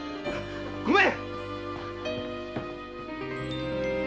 ごめん‼